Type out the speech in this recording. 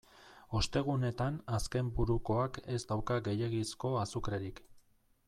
Ostegunetan azkenburukoak ez dauka gehiegizko azukrerik.